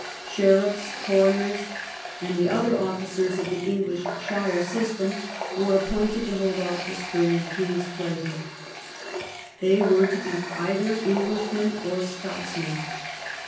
Sheriffs, coroners, and the other officers of the English shire system, were appointed to hold office during the king's pleasure. They Avere to be either Englishmen or Scotsmen.